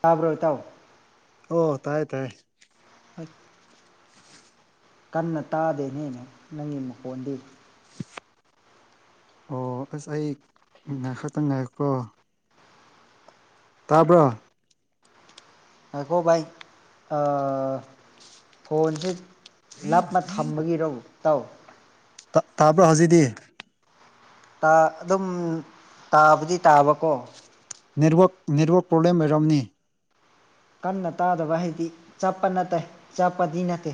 ꯇꯥꯕ꯭ꯔꯥ ꯏꯇꯥꯎ ꯑꯣ ꯇꯥꯏ ꯇꯥꯏ ꯀꯟꯅ ꯇꯥꯗꯦꯅꯦ ꯅꯪꯒꯤ ꯃꯈꯣꯟꯗꯤ ꯑꯣ ꯑꯁ ꯑꯩ ꯉꯥꯏꯍꯛꯇꯪ ꯉꯥꯏꯈꯣꯀꯣ ꯇꯥꯕ꯭ꯔꯥ ꯉꯥꯏꯈꯣ ꯕꯥꯏ ꯑꯥ ꯐꯣꯟꯁꯦ ꯂꯥꯞꯅ ꯊꯝꯕꯒꯤꯔꯣ ꯏꯇꯥꯎ ꯇꯥ ꯇꯥꯕ꯭ꯔꯣ ꯍꯧꯖꯤꯛꯗꯤ ꯇꯥ ꯑꯗꯨꯝ ꯇꯥꯕꯗꯤ ꯇꯥꯕꯀꯣ ꯅꯦꯠꯋꯥꯛ ꯅꯦꯠꯋꯥꯛ ꯄ꯭ꯔꯣꯕꯂꯦꯝ ꯑꯣꯏꯔꯝꯅꯤ ꯀꯟꯅ ꯇꯥꯗꯕ ꯍꯥꯏꯗꯤ ꯆꯞꯄ ꯅꯠꯇꯦ ꯆꯞꯄꯗꯤ ꯅꯠꯇꯦ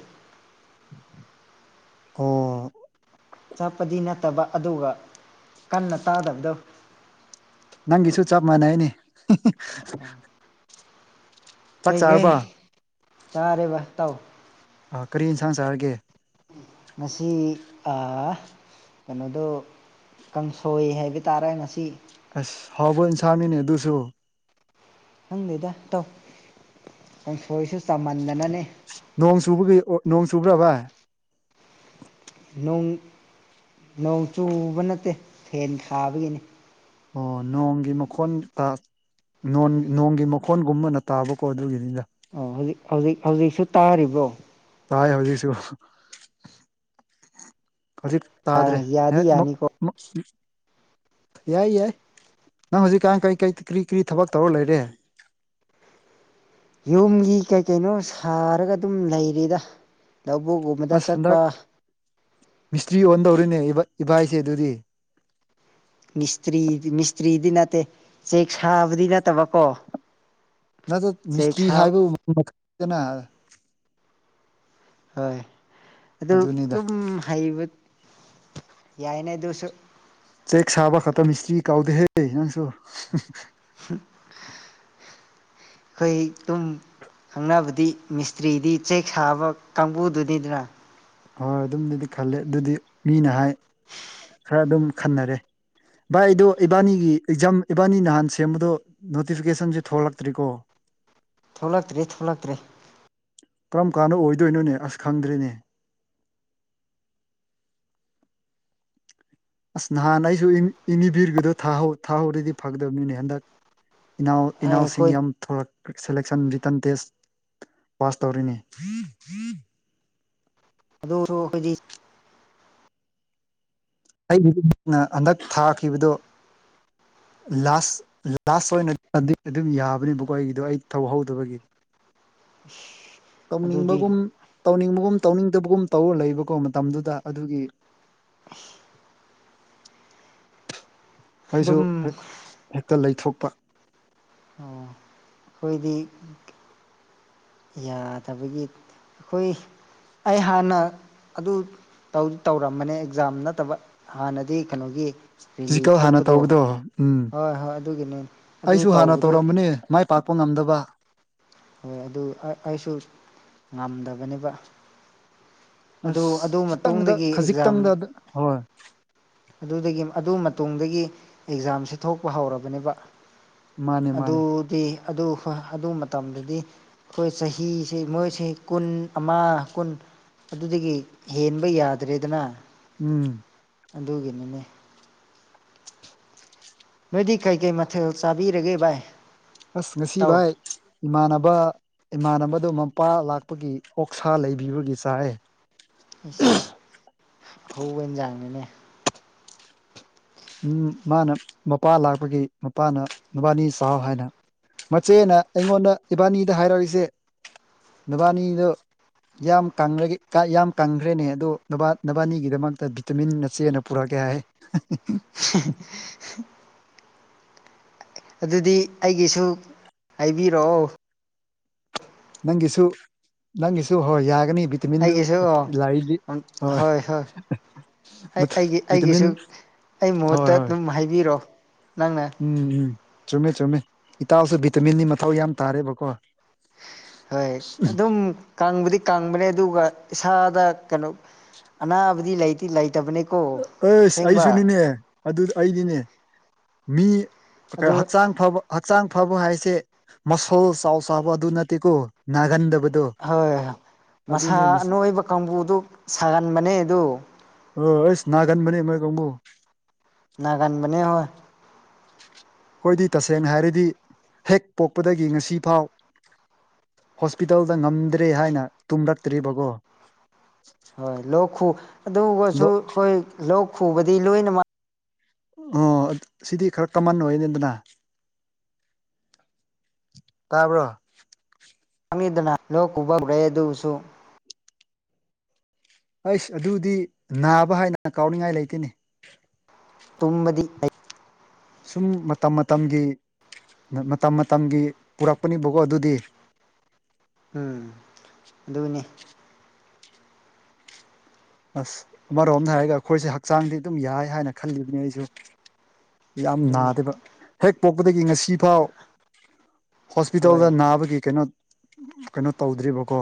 ꯑꯣ ꯆꯠꯄꯗꯤ ꯅꯠꯇꯕ ꯑꯗꯨꯒ ꯀꯟꯅ ꯇꯥꯗꯕꯗꯣ ꯅꯪꯒꯤꯁꯨ ꯆꯞ ꯃꯥꯟꯅꯩꯅꯦ ꯆꯥꯛ ꯀꯩꯒꯩ ꯆꯥꯔꯕ ꯆꯥꯔꯦꯕ ꯏꯇꯥꯎ ꯑꯥ ꯀꯔꯤ ꯑꯦꯟꯁꯥꯡ ꯆꯥꯔꯒꯦ ꯉꯁꯤ ꯑꯥ ꯀꯩꯅꯣꯗꯣ ꯀꯥꯡꯁꯣꯏ ꯍꯥꯏꯕ ꯇꯥꯔꯦ ꯉꯁꯤ ꯑꯁ ꯍꯥꯎꯕ ꯏꯟꯁꯥꯡꯅꯤꯅꯦ ꯑꯗꯨꯁꯨ ꯈꯪꯗꯦꯗ ꯏꯇꯧ ꯀꯪꯁꯣꯏꯁꯨ ꯆꯃꯟꯗꯅꯅꯦ ꯅꯣꯡ ꯆꯨꯕꯒꯤ ꯑꯣ ꯅꯣꯡ ꯆꯨꯕ꯭ꯔꯥ ꯚꯥꯏ ꯅꯣꯡ ꯅꯣꯡ ꯆꯨꯕ ꯅꯠꯇꯦ ꯐꯦꯟ ꯊꯥꯕꯒꯤꯅꯦ ꯑꯣ ꯅꯣꯡꯒꯤ ꯃꯈꯣꯟ ꯇꯥ ꯅꯣꯟ ꯅꯣꯡꯒꯤ ꯃꯈꯣꯟꯒꯨꯝꯕꯅ ꯇꯥꯕꯀꯣ ꯑꯗꯨꯒꯤꯅꯤꯗ ꯑꯣ ꯍꯧꯖꯤꯛ ꯍꯧꯖꯤꯛ ꯍꯧꯖꯤꯛꯁꯨ ꯇꯥꯔꯤꯕ꯭ꯔꯣ ꯇꯥꯏ ꯍꯧꯖꯤꯛꯁꯨ ꯍꯧꯖꯤꯛ ꯇꯥꯗ꯭ꯔꯦ ꯑꯦ ꯌꯥꯗꯤ ꯑꯃꯨꯛ ꯌꯥꯅꯤꯀꯣ ꯃꯨꯛꯃꯤ ꯌꯥꯏ ꯌꯥꯏ ꯅꯪ ꯍꯧꯖꯤꯛꯀꯥꯟ ꯀꯩꯀꯩ ꯀꯔꯤ ꯀꯔꯤ ꯊꯕꯛ ꯇꯧꯔ ꯂꯩꯔꯦ ꯌꯨꯝꯒꯤ ꯀꯩ ꯀꯩꯅꯣ ꯁꯥꯔꯒ ꯑꯗꯨꯝ ꯂꯩꯔꯤꯗ ꯂꯧꯕꯨꯛꯒꯨ ꯑꯁ ꯍꯟꯗ꯭ꯔꯛ ꯃꯤꯁꯇ꯭ꯔꯤ ꯑꯣꯟꯗꯧꯔꯦꯅꯦ ꯏꯕ ꯏꯚꯥꯏꯁꯦ ꯑꯗꯨꯗꯤ ꯃꯤꯁꯇ꯭ꯔꯤ ꯃꯤꯁꯇ꯭ꯔꯤꯗꯤ ꯅꯠꯇꯦ ꯆꯦꯛ ꯁꯥꯕꯗꯤ ꯅꯠꯇꯕꯀꯣ ꯅꯗꯣ ꯆꯦꯛ ꯃꯤꯁꯇ꯭ꯔꯤ ꯁꯥꯕ ꯍꯥꯏꯕꯕꯨ [unintelligible] ꯗꯅꯥ ꯍꯣꯏ ꯑꯗꯨ ꯑꯗꯨꯅꯤꯗ ꯑꯗꯨꯝ ꯍꯩꯕ ꯌꯥꯏꯅꯦ ꯑꯗꯨꯁꯨ ꯆꯦꯛ ꯁꯥꯕ ꯈꯛꯇ ꯃꯤꯁꯇ꯭ꯔꯤ ꯀꯎꯗꯦꯍꯦ ꯅꯪꯁꯨ ꯍꯣꯏ ꯇꯨꯝ ꯈꯪꯅꯕꯗꯤ ꯃꯤꯁꯇ꯭ꯔꯤꯗꯤ ꯆꯦꯛ ꯁꯥꯕ ꯀꯥꯡꯕꯨꯗꯨꯅꯤꯗꯅ ꯍꯣꯏ ꯑꯗꯨꯝꯗꯗꯤ ꯈꯜꯂꯦ ꯑꯗꯨꯗꯤ ꯃꯤꯅ ꯍꯥꯏ ꯈꯔ ꯑꯗꯨꯝ ꯈꯟꯅꯔꯦ ꯚꯥꯏ ꯑꯩꯗꯣ ꯏꯕꯥꯅꯤꯒꯤ ꯑꯦꯛꯖꯥꯝ ꯏꯕꯥꯅꯤ ꯅꯍꯥꯟ ꯁꯦꯝꯕꯗꯣ ꯅꯣꯇꯤꯐꯤꯀꯦꯁꯟꯁꯨ ꯊꯣꯛꯂꯛꯇ꯭ꯔꯤꯀꯣ ꯊꯣꯛꯂꯛꯇ꯭ꯔꯤ ꯊꯣꯛꯂꯛꯇ꯭ꯔꯤ ꯀꯔꯝ ꯀꯥꯟꯗ ꯑꯣꯏꯗꯣꯏꯅꯣꯅꯦ ꯑꯁ ꯈꯪꯗ꯭ꯔꯦꯅꯦ ꯑꯁ ꯅꯍꯥꯟ ꯑꯩꯁꯨ ꯏꯅꯤ ꯏꯅꯤꯕꯤꯔꯒꯤꯗꯣ ꯊꯥꯍꯧ ꯊꯥꯍꯧꯔꯗꯤ ꯐꯒꯗꯕꯅꯤꯅꯦ ꯍꯟꯗꯛ ꯏꯅꯥꯎ ꯏꯅꯥꯎꯁꯤꯡ ꯑꯩꯈꯣꯏ ꯌꯥꯝ ꯊꯣꯔꯛ ꯈꯦ ꯁꯦꯂꯦꯛꯁꯟ ꯔꯤꯇꯟ ꯇꯦꯁ ꯄꯥꯁ ꯇꯧꯔꯦꯅꯦ ꯑꯗꯣ ꯗꯣ ꯈꯣꯏꯗꯤ ꯑꯩꯕꯨꯗꯤ ꯅ ꯍꯟꯗꯛ ꯊꯥꯈꯤꯕꯗꯣ ꯂꯥꯁ ꯂꯥꯁ ꯑꯣꯏꯅ ꯑꯗꯨꯏ ꯑꯗꯨꯝ ꯌꯥꯕꯅꯦꯕꯀꯣ ꯑꯩꯒꯤꯗꯣ ꯑꯩ ꯇꯧꯍꯧꯗꯕꯒꯤ ꯑꯗꯨꯗꯤ ꯇꯧꯅꯤꯡꯕꯒꯨꯝ ꯇꯧꯅꯤꯡꯕꯒꯨꯝ ꯇꯧꯅꯤꯡꯗꯕꯒꯨꯝ ꯇꯧꯔ ꯂꯩꯕꯀꯣ ꯃꯇꯝꯗꯨꯗ ꯑꯗꯨꯒꯤ ꯑꯩꯁꯨ ꯑꯗꯨꯝ ꯍꯦ ꯍꯦꯛꯇ ꯂꯩꯊꯣꯛꯄ ꯑꯣ ꯑꯩꯈꯣꯏꯗꯤ ꯌꯥꯗꯕꯒꯤ ꯈꯣꯏ ꯑꯩ ꯍꯥꯟꯅ ꯑꯗꯨ ꯇꯧ ꯇꯧꯔꯝꯕꯅꯦ ꯑꯦꯛꯖꯥꯝ ꯅꯠꯇꯕ ꯍꯥꯟꯅꯗꯤ ꯀꯅꯣꯒꯤ ꯐꯤꯖꯤꯀꯦꯜ ꯍꯥꯟꯅ ꯇꯧꯕꯗꯣ ꯎꯝ ꯍꯣꯏ ꯍꯣꯏ ꯑꯗꯨꯒꯤꯅꯦ ꯑꯗꯨ ꯑꯩꯁꯨ ꯍꯥꯟꯅ ꯇꯧꯕꯗꯨ ꯇꯧꯔꯝꯕꯅꯦ ꯃꯥꯏ ꯄꯥꯛꯄ ꯉꯝꯗꯕ ꯑꯣ ꯑꯗꯨ ꯑ ꯑꯩꯁꯨ ꯉꯝꯗꯕꯅꯦꯕ ꯑꯗꯨ ꯑꯗꯨ ꯑꯁ ꯈꯤꯇꯪꯗ ꯃꯇꯨꯡꯗꯒꯤ ꯑꯦꯛꯖꯥꯝ ꯈꯖꯤꯛꯇꯪꯗ ꯍꯣꯏ ꯑꯗꯨꯗꯒꯤ ꯑꯗꯨ ꯃꯇꯨꯡꯗꯒꯤ ꯑꯦꯛꯖꯥꯝꯁꯦ ꯊꯣꯛꯄ ꯍꯧꯔꯕꯅꯦꯕ ꯃꯥꯅꯦ ꯃꯥꯅꯦ ꯑꯗꯨꯗꯤ ꯑꯗꯨ ꯑꯗꯨ ꯃꯇꯝꯗꯗꯤ ꯈꯣꯏ ꯆꯍꯤꯁꯦ ꯃꯣꯏꯁꯦ ꯀꯨꯟ ꯑꯃ ꯀꯨꯟ ꯑꯗꯨꯗꯒꯤ ꯍꯦꯟꯕ ꯌꯥꯗ꯭ꯔꯦꯗꯅꯥ ꯎꯝ ꯑꯗꯨꯒꯤꯅꯤꯅꯦ ꯅꯣꯏꯗꯤ ꯀꯩꯀꯩ ꯃꯊꯦꯜ ꯆꯥꯕꯤꯔꯒꯦ ꯚꯥꯏ ꯑꯁ ꯉꯁꯤ ꯏꯇꯥꯎ ꯚꯥꯏ ꯏꯃꯥꯟꯅꯕ ꯏꯃꯥꯟꯅꯕꯗꯣ ꯃꯄꯥ ꯂꯥꯛꯄꯒꯤ ꯑꯣꯛꯁꯥ ꯂꯩꯕꯤꯕꯒꯤ ꯆꯥꯏ ꯑꯩꯁ ꯑꯍꯧꯕ ꯑꯦꯟꯖꯥꯡꯅꯤꯅꯦ ꯎꯝ ꯃꯥꯅ ꯃꯄꯥ ꯂꯥꯛꯄꯒꯤ ꯃꯄꯥꯅ ꯅꯕꯥꯅꯤ ꯆꯥꯎ ꯍꯥꯏꯅ ꯃꯆꯦꯅ ꯑꯩꯉꯣꯟꯗ ꯏꯕꯥꯅꯤꯗ ꯍꯥꯏꯔꯛꯪꯖꯦ ꯅꯕꯥꯅꯤꯗꯨ ꯌꯥꯝ ꯀꯪꯔꯒꯦ ꯀꯥ ꯌꯥꯝ ꯀꯪꯈ꯭ꯔꯦꯅꯦ ꯑꯗꯣ ꯅꯕꯥ ꯅꯕꯥꯅꯤꯒꯤꯗꯃꯛꯇ ꯚꯤꯇꯃꯤꯟ ꯅꯆꯦꯅ ꯄꯨꯔꯛꯑꯒꯦ ꯍꯥꯏ [unintelligible] ꯑꯗꯨꯗꯤ ꯑꯩꯒꯤꯁꯨ ꯍꯥꯏꯕꯤꯔꯛꯑꯣ ꯅꯪꯒꯤꯁꯨ ꯅꯪꯒꯤꯁꯨ ꯍꯣꯏ ꯌꯥꯒꯅꯤ ꯚꯤꯠ ꯕꯤꯇꯃꯤꯟꯗꯨ ꯑꯩꯒꯤꯁꯨ ꯂꯥꯔꯤꯗꯤ ꯍꯣꯏ ꯑꯩ ꯑꯩꯒꯤ ꯚꯤꯇꯃꯤꯟ ꯑꯩꯒꯤꯁꯨ ꯑꯩ ꯃꯍꯨꯠꯇ ꯑꯗꯨꯝ ꯍꯥꯏꯕꯤꯔꯣ ꯅꯪꯅ ꯎꯝ ꯎꯝ ꯆꯨꯝꯃꯦ ꯆꯨꯝꯃꯦ ꯏꯇꯥꯎꯁꯨ ꯚꯤꯇꯃꯤꯟꯗꯤ ꯃꯊꯧ ꯌꯥꯝ ꯇꯥꯔꯦꯕꯀꯣ ꯍꯣꯏ ꯑꯗꯨꯝ ꯀꯪꯕꯗꯤ ꯀꯪꯕꯅꯦ ꯑꯗꯨꯒ ꯏꯁꯥꯗ ꯀꯅꯣ ꯑꯅꯥꯕꯗꯤ ꯂꯩꯇꯤ ꯂꯩꯇꯕꯅꯦ ꯑꯩꯁ ꯑꯩꯁꯨꯅꯤꯅꯦ ꯑꯗꯨ ꯑꯩꯅꯤꯅꯦ ꯃꯤ ꯀ ꯑꯗꯨ ꯍꯛꯆꯥꯡ ꯐꯕ ꯍꯛꯆꯥꯡ ꯐꯕ ꯍꯥꯏꯁꯦ ꯃꯁꯜ ꯆꯥꯎ ꯆꯥꯕ ꯑꯗꯨ ꯅꯠꯇꯦꯀꯣ ꯅꯥꯒꯟꯗꯕꯗꯣ ꯍꯣꯏ ꯃꯁꯥ ꯑꯗꯨꯅꯦ ꯑꯅꯣꯏꯕ ꯀꯥꯡꯕꯨꯗꯨ ꯁꯥꯒꯟꯕꯅꯦ ꯑꯗꯨ ꯑꯣ ꯑꯩꯁ ꯅꯥꯒꯟꯕꯅꯦ ꯃꯣꯏ ꯀꯥꯡꯕꯨ ꯅꯥꯒꯟꯕꯅꯦ ꯍꯣꯏ ꯈꯣꯏꯗꯤ ꯇꯁꯦꯡꯅ ꯍꯥꯏꯔꯗꯤ ꯍꯦꯛ ꯄꯣꯛꯄꯗꯒꯤ ꯉꯁꯤ ꯐꯥꯎ ꯍꯣꯁꯄꯤꯇꯜꯗ ꯉꯝꯗ꯭ꯔꯤ ꯍꯥꯏꯅ ꯇꯨꯝꯔꯛꯇ꯭ꯔꯤꯕꯒꯣ ꯍꯣꯏ ꯂꯣꯛ ꯈꯨ ꯑꯗꯨꯒꯁꯨ ꯂꯣ ꯈꯣꯏ ꯂꯣꯛ ꯈꯨꯕꯗꯤ ꯂꯣꯏꯅꯃꯛ ꯑꯣ ꯁꯤꯗꯤ ꯈꯔ ꯀꯃꯟ ꯑꯣꯏꯔꯦꯗꯅ ꯇꯥꯕ꯭ꯔꯣ [unintelligible] ꯂꯣꯛ ꯈꯨꯕ ꯍꯞꯔꯦ ꯑꯗꯨꯕꯨꯁꯨ ꯑꯩꯁ ꯑꯗꯨꯗꯤ ꯅꯥꯕ ꯍꯥꯏꯅ ꯀꯥꯎꯅꯤꯡꯉꯥꯏ ꯂꯩꯇꯦꯅꯦ ꯇꯨꯝꯕꯗꯤ ꯐꯩ ꯁꯨꯝ ꯃꯇꯝ ꯃꯇꯝꯒꯤ ꯃꯇꯝ ꯃꯇꯝꯒꯤ ꯄꯨꯔꯛꯄꯅꯤꯕꯀꯣ ꯑꯗꯨꯗꯤ ꯎꯝ ꯑꯗꯨꯅꯦ ꯑꯁ ꯑꯃꯔꯣꯝꯗ ꯍꯥꯏꯔꯒ ꯑꯩꯈꯣꯏꯁꯦ ꯍꯛꯆꯥꯡꯗꯤ ꯑꯗꯨꯝ ꯌꯥꯏ ꯍꯥꯏꯅ ꯈꯜꯂꯤꯕꯅꯤ ꯑꯩꯁꯨ ꯌꯥꯝ ꯑꯗꯨꯅꯤ ꯅꯥꯗꯦꯕ ꯍꯦꯛ ꯄꯣꯛꯄꯗꯒꯤ ꯉꯁꯤ ꯐꯥꯎ ꯍꯣꯏ ꯍꯣꯁꯄꯤꯇꯥꯜꯗ ꯅꯥꯕꯒꯤ ꯀꯩꯅꯣ ꯀꯩꯅꯣ ꯇꯧꯗ꯭ꯔꯤꯕꯀꯣ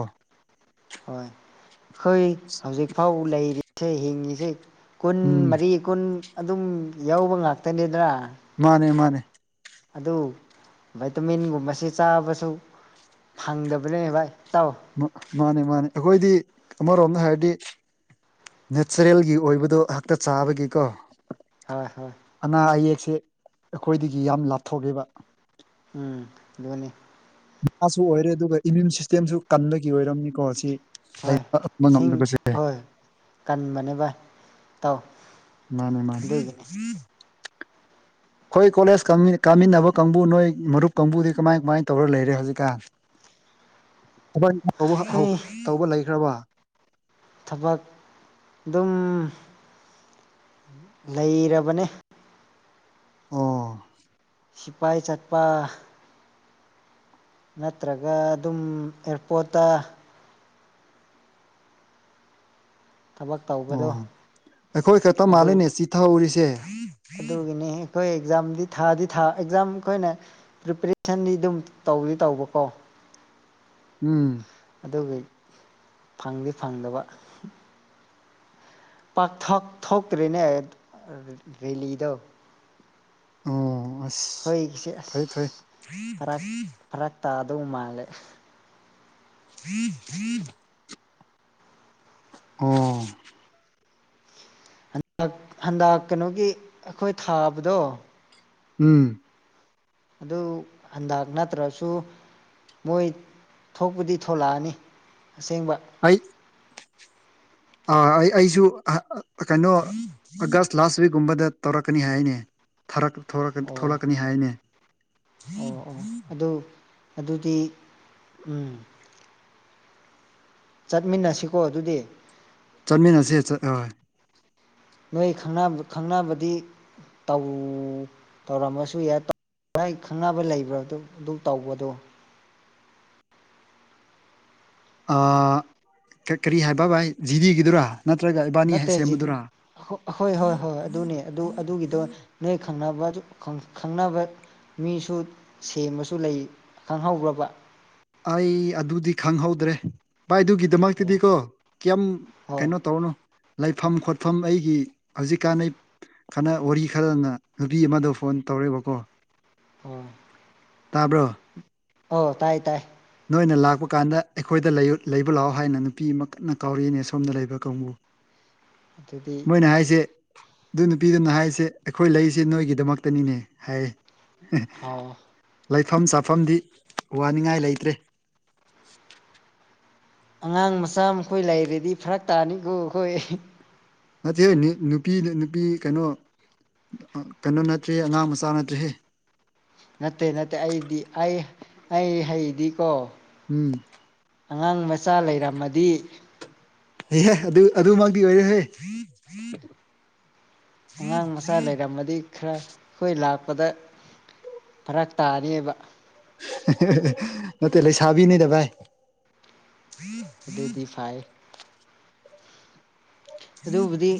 ꯈꯣꯏ ꯍꯧꯖꯤꯛꯐꯥꯎ ꯂꯩꯔꯤꯁꯦ ꯍꯤꯡꯉꯤꯁꯦ ꯀꯨꯟ ꯎꯝ ꯃꯔꯤ ꯀꯨꯟ ꯑꯗꯨꯝ ꯌꯧꯕ ꯉꯥꯛꯇꯅꯤꯗꯅꯥ ꯃꯥꯅꯦ ꯃꯥꯅꯦ ꯑꯗꯨ ꯚꯥꯏꯇꯃꯤꯟꯒꯨꯝꯕꯁꯤ ꯆꯥꯕꯁꯨ ꯐꯪꯗꯕꯅꯦꯕ ꯏꯇꯥꯎ ꯃ ꯃꯥꯅꯦ ꯃꯥꯅꯦ ꯑꯩꯈꯣꯏꯗꯤ ꯑꯃꯔꯣꯝꯗ ꯍꯥꯏꯔꯗꯤ ꯅꯦꯆꯔꯦꯜꯒꯤ ꯑꯣꯏꯕꯗꯣ ꯍꯥꯛꯇ ꯆꯥꯕꯒꯤꯀꯣ ꯍꯣꯏ ꯍꯣꯏ ꯑꯅꯥ ꯑꯌꯦꯛꯁꯦ ꯑꯈꯣꯏꯗꯒꯤ ꯌꯥꯝ ꯂꯥꯞꯊꯣꯛꯑꯦꯕ ꯎꯝ ꯑꯗꯨꯅꯤ ꯅꯨꯄꯥꯁꯨ ꯑꯣꯏꯔꯦ ꯗꯨꯒ ꯏꯃ꯭ꯌꯨꯟ ꯁꯤꯁꯇꯦꯝꯁꯨ ꯀꯟꯕꯒꯤ ꯑꯣꯏꯔꯝꯅꯤꯀꯣ ꯁꯤ ꯍꯣꯏ [unintelligible] ꯉꯝꯗꯕꯁꯦ ꯀꯟꯕꯅꯦꯕ ꯏꯇꯥꯎ ꯃꯥꯅꯦ ꯃꯥꯅꯦ ꯑꯗꯨꯒꯤꯅꯤ ꯈꯣꯏ ꯀꯣꯂꯦꯖ ꯀꯥꯃꯤꯟ ꯀꯥꯃꯤꯟꯅꯕ ꯀꯥꯡꯕꯨ ꯅꯣꯏ ꯃꯔꯨꯞ ꯀꯥꯡꯕꯨꯗꯤ ꯀꯃꯥꯏ ꯀꯃꯥꯏꯅ ꯇꯧꯔ ꯂꯩꯔꯦ ꯍꯧꯖꯤꯛꯀꯥꯟ [unintelligible] ꯍꯧ ꯑꯩꯈꯣꯏ ꯇꯧꯕ ꯂꯩꯈ꯭ꯔꯕ ꯊꯕꯛ ꯗꯨꯝ ꯂꯩꯔꯕꯅꯦ ꯑꯣ ꯁꯤꯄꯥꯏ ꯆꯠꯄ ꯅꯠꯇ꯭ꯔꯒ ꯑꯗꯨꯝ ꯑꯦꯌꯔꯄꯣꯠꯇ ꯊꯕꯛ ꯇꯧꯕꯗꯣ ꯑꯣ ꯑꯈꯣꯏ ꯈꯠꯇ ꯃꯥꯜꯂꯦꯅꯦ ꯆꯤꯠꯊꯍꯧꯔꯤꯁꯦ ꯑꯗꯨꯒꯤꯅꯦ ꯑꯩꯈꯣꯏ ꯑꯦꯛꯖꯥꯝꯗꯤ ꯊꯥꯗꯤ ꯊꯥ ꯑꯦꯛꯖꯥꯝ ꯑꯈꯣꯏꯅ ꯄ꯭ꯔꯤꯄꯦꯔꯦꯁꯟꯗꯤ ꯗꯨꯝ ꯇꯧꯗꯤ ꯇꯧꯕꯀꯣ ꯎꯝ ꯑꯗꯨꯒꯤ ꯐꯪꯗꯤ ꯐꯪꯗꯕ ꯄꯥꯛꯊꯣꯛ ꯊꯣꯛꯇ꯭ꯔꯦꯅꯦ ꯔꯦꯂꯤꯗꯣ ꯑꯣ ꯑꯁ ꯑꯩꯈꯣꯏꯒꯤꯁꯦ ꯐꯩ ꯐꯩ ꯐꯥꯔꯛ ꯇꯥꯗꯧ ꯃꯥꯜꯂꯦ [unintelligible] ꯑꯣ ꯍꯟꯗꯛ ꯍꯟꯗꯛ ꯀꯩꯅꯣꯒꯤ ꯑꯈꯣꯏ ꯊꯥꯕꯗꯣ ꯎꯝ ꯑꯗꯨ ꯍꯥꯟꯗꯛ ꯅꯠꯇ꯭ꯔꯁꯨ ꯃꯣꯏ ꯊꯣꯛꯄꯨꯗꯤ ꯊꯣꯛꯂꯛꯑꯅꯤ ꯑꯁꯦꯡꯕ ꯑꯩꯠ ꯑꯥ ꯑꯩ ꯑꯩꯖꯨ ꯍ ꯀꯩꯅꯣ ꯑꯥꯒꯁ ꯂꯥꯁ ꯋꯤꯛꯀꯨꯝꯕꯗ ꯇꯧꯔꯛꯀꯅꯤ ꯍꯥꯏꯅꯦ ꯊꯣꯔꯛ ꯊꯣꯛꯂꯛ ꯑꯣ ꯊꯣꯛꯂꯛꯀꯅꯤ ꯍꯥꯏꯅꯦ ꯑꯣ ꯑꯣ ꯑꯗꯨ ꯑꯗꯨꯗꯤ ꯎꯝ ꯆꯠꯃꯤꯟꯅꯁꯤꯀꯣ ꯑꯗꯨꯗꯤ ꯆꯠꯃꯤꯟꯅꯁꯦ ꯆꯠ ꯍꯣꯏ ꯅꯣꯏ ꯈꯪꯅꯕ ꯈꯪꯅꯕꯗꯤ ꯇꯧ ꯇꯧꯔꯝꯃꯁꯨ ꯌꯥꯏ ꯕꯥꯏ ꯈꯪꯅꯕ ꯂꯩꯕ꯭ꯔꯥ ꯑꯗꯨ ꯑꯗꯨ ꯇꯧꯕꯗꯣ ꯑꯥ ꯀꯔꯤ ꯍꯥꯏꯕ ꯚꯥꯏ ꯖꯤꯗꯤꯒꯤꯗꯨꯔꯥ ꯅꯠꯇ꯭ꯔꯒ ꯏꯕꯥꯅꯤ ꯅꯠꯇꯦ ꯖꯤꯗꯤ ꯁꯦꯝꯕꯗꯨꯔꯥ ꯑꯍꯣꯏ ꯍꯣꯏ ꯍꯣꯏ ꯑꯗꯨꯅꯦ ꯑꯗꯨ ꯑꯗꯨꯒꯤꯗꯣ ꯅꯣꯏ ꯈꯪꯅꯕ ꯑꯗꯨ ꯈꯪꯅꯕ ꯃꯤꯁꯨ ꯁꯦꯝꯕꯁꯨ ꯂꯩ ꯈꯪꯍꯧꯕ꯭ꯔꯕ ꯑꯩ ꯑꯗꯨꯗꯤ ꯈꯪꯍꯧꯗ꯭ꯔꯦ ꯚꯥꯏꯗꯨꯒꯤꯗꯤ ꯑꯣ ꯗꯨꯃꯛꯇꯤꯗꯤꯀꯣ ꯀꯌꯥꯝ ꯍꯣꯏ ꯀꯩꯅꯣ ꯇꯧꯔꯨꯅꯣ ꯂꯩꯐꯝ ꯈꯣꯠꯐꯝ ꯑꯩꯒꯤ ꯍꯧꯖꯤꯛꯀꯥꯟ ꯑꯩ ꯈꯅ ꯋꯥꯔꯤ ꯈꯔꯅ ꯅꯨꯄꯤ ꯑꯃꯗꯣ ꯐꯣꯟ ꯇꯧꯔꯦꯕꯀꯣ ꯎꯝ ꯇꯥꯕ꯭ꯔꯣ ꯑꯣ ꯇꯥꯏ ꯇꯥꯏ ꯅꯣꯏꯅ ꯂꯥꯛꯄ ꯀꯥꯟꯗ ꯑꯩꯈꯣꯏꯗ ꯂꯩꯕ ꯂꯥꯛꯑꯣ ꯍꯥꯏꯅ ꯅꯨꯄꯤ ꯑꯃ ꯀꯟꯅ ꯀꯥꯎꯔꯛꯏꯅꯦ ꯁꯣꯝꯗ ꯂꯩꯕ ꯀꯥꯡꯕꯨ ꯑꯗꯨꯗꯤ ꯃꯣꯏꯅ ꯍꯥꯏꯁꯦ ꯑꯗꯨ ꯅꯨꯄꯤꯗꯨꯅ ꯍꯥꯏꯔꯤꯁꯦ ꯑꯩꯈꯣꯏ ꯂꯩꯔꯤꯁꯦ ꯅꯣꯏꯒꯤꯗꯃꯛꯇꯅꯤꯅꯦ ꯍꯥꯏꯌꯦ ꯎꯝ ꯑꯣ ꯂꯩꯐꯝ ꯆꯥꯐꯝꯗꯤ ꯋꯥꯅꯤꯡꯉꯥꯏ ꯂꯩ ꯇ꯭ꯔꯦ ꯑꯉꯥꯡ ꯃꯆꯥ ꯃꯈꯣꯏ ꯂꯩꯔꯗꯤ ꯐꯔꯛ ꯇꯥꯅꯤꯈꯣ ꯑꯩꯈꯣꯏ ꯅꯠꯇꯦꯍꯦ ꯅꯨꯄꯤ ꯅꯨꯄꯤ ꯀꯩꯅꯣ ꯀꯩꯅꯣ ꯅꯠꯇ꯭ꯔꯦ ꯑꯉꯥꯡ ꯃꯆꯥ ꯅꯠꯇ꯭ꯔꯦꯍꯦ ꯅꯠꯇꯦ ꯅꯠꯇꯦ ꯑꯩꯗꯤ ꯑꯩ ꯑꯩ ꯍꯩꯗꯤꯀꯣ ꯎꯝ ꯑꯉꯥꯡ ꯃꯆꯥ ꯂꯩꯔꯝꯃꯗꯤ ꯑꯦꯍꯦ ꯑꯗꯨ ꯑꯗꯨꯃꯛꯇꯤ ꯑꯣꯏꯗꯦ ꯍꯦ ꯑꯉꯥꯡ ꯃꯆꯥ ꯂꯩꯔꯝꯃꯗꯤ ꯈꯔ ꯑꯩꯈꯣꯏ ꯂꯥꯛꯄꯗ ꯐꯔꯛ ꯇꯥꯅꯤꯌꯦꯕ ꯅꯠꯇꯦ ꯂꯩꯁꯥꯕꯤꯅꯤꯗ ꯚꯥꯏ ꯑꯗꯨꯗꯤ ꯐꯩ ꯑꯗꯨꯕꯨꯗꯤ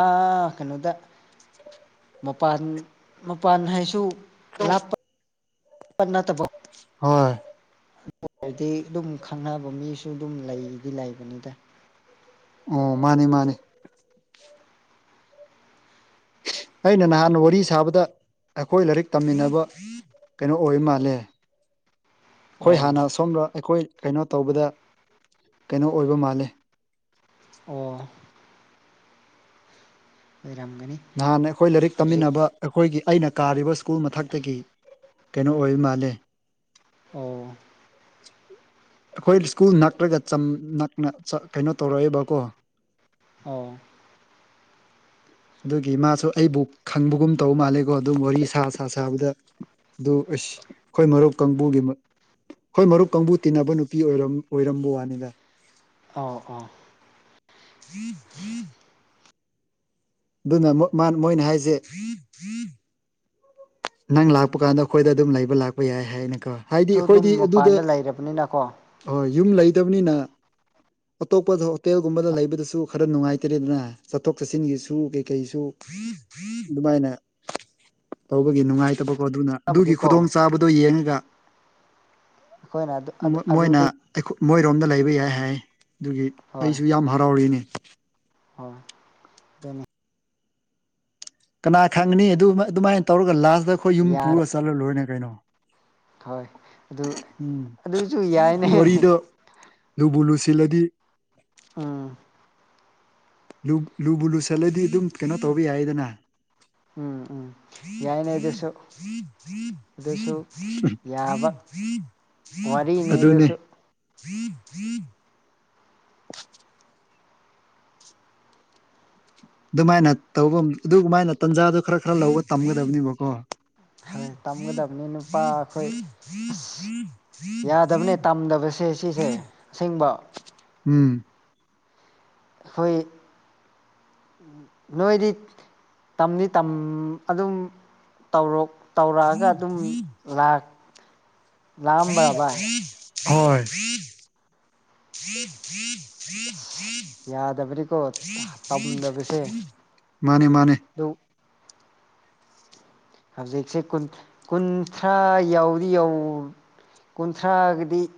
ꯑꯥ ꯀꯩꯅꯣꯗ ꯃꯄꯥꯟ ꯃꯄꯥꯟ ꯍꯥꯏꯁꯨ ꯂꯥꯞꯄ ꯅꯠꯇꯕ ꯍꯣꯏ ꯑꯣꯏꯔꯗꯤ ꯑꯗꯨꯝ ꯈꯪꯅꯕ ꯃꯤꯁꯨ ꯑꯗꯨꯝ ꯂꯩꯗꯤ ꯂꯩꯕꯅꯤꯗ ꯑꯣ ꯃꯥꯅꯦ ꯃꯥꯅꯦ ꯑꯩꯅ ꯅꯍꯥꯟꯅ ꯋꯥꯔꯤ ꯁꯥꯕꯗ ꯑꯩꯈꯣꯏ ꯂꯥꯏꯔꯤꯛ ꯇꯝꯃꯤꯟꯅꯕ ꯀꯩꯅꯣ ꯑꯣꯢꯕ ꯃꯥꯜꯂꯦ ꯑꯩꯈꯣꯏ ꯑꯣ ꯍꯥꯟꯅ ꯁꯣꯝꯗ ꯑꯩꯈꯣꯏ ꯀꯩꯅꯣ ꯇꯧꯕꯗ ꯀꯩꯅꯣ ꯑꯣꯏꯕ ꯃꯥꯜꯂꯦ ꯑꯣ ꯑꯣꯏꯔꯝꯒꯅꯤ ꯅꯍꯥꯟꯅ ꯑꯩꯈꯣꯏ ꯂꯥꯏꯔꯤꯛ ꯇꯝꯃꯤꯟꯅꯕ ꯑꯩꯈꯣꯏꯒꯤ ꯑꯩꯅ ꯀꯥꯔꯤꯕ ꯁ꯭ꯀꯨꯜ ꯃꯊꯛꯇꯒꯤ ꯀꯩꯅꯣ ꯑꯣꯏꯕ ꯃꯥꯜꯂꯦ ꯑꯣ ꯑꯩꯈꯣꯏ ꯁ꯭ꯀꯨꯜ ꯅꯛꯔꯒ ꯆꯝ ꯅꯛꯅ ꯆꯥ ꯀꯩꯅꯣ ꯇꯧꯔꯛꯑꯦꯕꯀꯣ ꯑꯣ [inaudible] ꯑꯗꯨꯒꯤ ꯃꯥꯁꯨ ꯑꯩꯕꯨ ꯈꯪꯕꯒꯨꯝ ꯇꯧ ꯃꯥꯜꯂꯦꯀꯣ ꯑꯗꯨꯝ ꯋꯥꯔꯤ ꯁꯥ ꯁꯥ ꯁꯥꯕꯗ ꯑꯗꯨ ꯑꯁ ꯑꯈꯣꯏ ꯃꯔꯨꯞ ꯀꯥꯡꯕꯨꯒꯤ ꯑꯈꯣꯏ ꯃꯔꯨꯞ ꯀꯥꯡꯕꯨ ꯇꯤꯟꯅꯕ ꯅꯨꯄꯤ ꯑꯣꯏꯔꯝ ꯑꯣꯏꯔꯝꯕ ꯋꯥꯅꯤꯗ ꯑꯥꯎ ꯑꯥ [inaudible] ꯑꯗꯨꯅ ꯃꯨꯛ ꯃꯥ ꯃꯣꯏꯅ ꯍꯥꯏꯖꯦ ꯅꯪ ꯂꯥꯛꯄ ꯀꯥꯟꯗ ꯑꯈꯣꯏꯗ ꯑꯗꯨꯝ ꯂꯩꯕ ꯂꯥꯛꯄ ꯌꯥꯏ ꯍꯥꯏꯌꯦꯅꯦ ꯀꯣ ꯇꯨ ꯗꯨꯝ ꯃꯄꯥꯟꯗ ꯂꯩꯔꯕꯅꯤꯅꯀꯣ ꯑꯣꯏ ꯌꯨꯝ ꯂꯩꯇꯝꯅꯤꯅ ꯑꯇꯣꯞꯄꯗ ꯍꯣꯇꯦꯜꯒꯨꯝꯕꯗ ꯂꯩꯕꯗꯁꯨ ꯈꯔ ꯅꯨꯡꯉꯥꯏꯇ꯭ꯔꯦꯗꯅ ꯆꯠꯊꯣꯛ ꯆꯠꯁꯤꯟꯒꯤꯁꯨ ꯀꯩ ꯀꯩꯁꯨ ꯗꯨꯃꯥꯏꯅ ꯇꯧꯕꯒꯤ ꯅꯨꯡꯉꯥꯏꯇꯕꯀꯣ ꯑꯗꯨꯅ ꯑꯗꯨꯒꯤ ꯈꯨꯗꯣꯡ ꯕꯨꯗꯤꯀꯣ ꯆꯥꯕꯗꯣ ꯌꯦꯡꯉꯒ ꯑꯩꯈꯣꯏꯅ ꯃꯣꯏꯅ ꯑꯗꯨꯗꯒꯤ ꯑꯩꯈꯣꯏ ꯃꯣꯏꯔꯣꯝꯗ ꯂꯩꯕ ꯌꯥꯏ ꯍꯥꯏ ꯑꯗꯨꯒꯤ ꯍꯣꯏ ꯑꯩꯁꯨ ꯌꯥꯝ ꯍꯔꯥꯎꯔꯤꯅꯦ ꯍꯣꯏ ꯑꯗꯨꯅꯤ ꯀꯅꯥ ꯈꯪꯒꯅꯤ ꯑꯗꯨ ꯑꯗꯨꯃꯥꯏꯅ ꯇꯧꯔꯒ ꯂꯥꯁꯇ ꯑꯈꯣꯏ ꯌꯨꯝ ꯌꯥꯔꯦ ꯄꯨꯔ ꯆꯠꯂ ꯂꯣꯏꯔꯦ ꯀꯩꯅꯣ ꯍꯣꯏ ꯑꯗꯨ ꯎꯝ ꯑꯗꯨꯁꯨ ꯁꯨꯝ ꯌꯥꯏꯅꯦ ꯋꯥꯔꯤꯗꯣ ꯂꯨꯕꯨ ꯂꯨꯁꯤꯜꯂꯗꯤ ꯑ ꯂꯨꯕ ꯂꯨꯕꯨ ꯂꯨꯁꯜꯂꯗꯤ ꯗꯨꯝ ꯀꯩꯅꯣ ꯇꯧꯕ ꯌꯥꯏꯗꯅ ꯎꯝ ꯎꯝ ꯌꯥꯏꯅꯦ ꯑꯗꯨꯁꯨ ꯑꯗꯨꯁꯨ ꯌꯥꯕ ꯋꯥꯔꯤꯅꯤ ꯑꯗꯨꯅꯦ ꯑꯗꯨꯁꯨ ꯗꯨꯃꯥꯏꯅ ꯇꯧꯕ ꯑꯗꯨꯃꯥꯏꯅ ꯇꯟꯖꯥꯗꯨ ꯈꯔ ꯈꯔ ꯂꯧꯕ ꯇꯝꯒꯗꯕꯅꯦꯕꯀꯣ ꯍꯣꯏ ꯇꯝꯒꯗꯕꯅꯦ ꯅꯨꯄꯥ ꯑꯈꯣꯏ ꯑꯁ ꯌꯥꯗꯕꯅꯦ ꯇꯝꯗꯕꯁꯦ ꯁꯤꯁꯦ ꯑꯁꯦꯡꯕ ꯎꯝ ꯍꯨꯏ ꯅꯣꯏꯗꯤ ꯇꯝꯗꯤ ꯇꯝ ꯑꯗꯨꯝ ꯇꯧꯔꯣ ꯇꯧꯔꯑꯒ ꯑꯗꯨꯝ ꯂꯥ ꯍꯣꯏ ꯌꯥꯗꯕꯅꯤꯀꯣ ꯃꯥꯟꯅꯦ ꯃꯥꯟꯅꯦ ꯗꯨ ꯍꯧꯖꯤꯛꯁꯦ ꯀꯨꯟ ꯀꯨꯟꯊ꯭ꯔꯥ ꯌꯧꯗꯤ ꯌꯧ ꯀꯨꯟꯊ꯭ꯔꯥꯒꯗꯤ